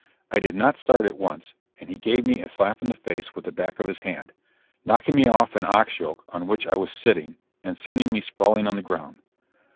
I did not start at once, and he gave me a slap in the face with the back of his hand, knocking me off an ox yoke on which I was sitting, and sending me sprawling on the ground.